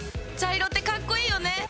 茶色ってかっこいいよね！